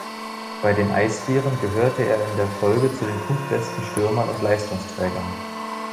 Bei den Eisbären gehörte er in der Folge zu den punktbesten Stürmern und Leistungsträgern.